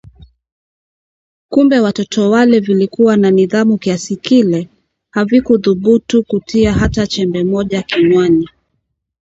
Kumbe Watoto wale vilikuwa na nidhamu kiasi kile! Havikuthubutu kutia hata chembe moja kinywani